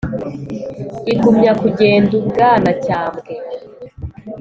Igumya kugenda u Bwanacyambwe